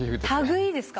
類いですか？